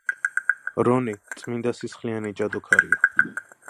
რონი წმინდასისხლიანი ჯადოქარია.